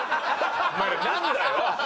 お前らなんだよ！